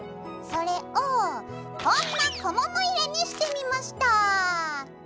それをこんな小物入れにしてみました！